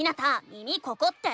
「耳ここ⁉」って。